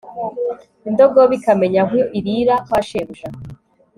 indogobe ikamenya aho irira kwa shebuja.